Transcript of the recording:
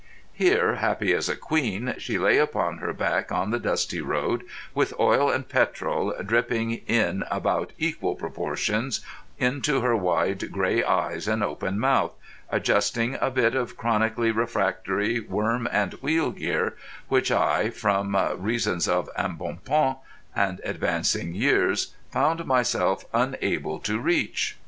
Here, happy as a queen, she lay upon her back on the dusty road, with oil and petrol dripping in about equal proportions into her wide grey eyes and open mouth, adjusting a bit of chronically refractory worm and wheel gear which I, from reasons of embonpoint and advancing years, found myself unable to reach.